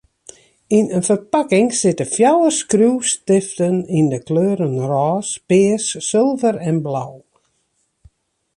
Yn in ferpakking sitte fjouwer skriuwstiften yn 'e kleuren rôs, pears, sulver en blau.